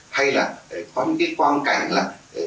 hay là có một cái quan cảnh là